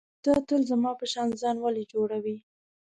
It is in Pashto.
ته تل زما په شان ځان ولي جوړوې.